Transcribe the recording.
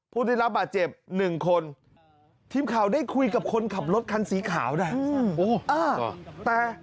ผู้ที่รับมาเจ็บ๑คนทีมข่าวได้คุยกับคนขับรถคันสีขาวได้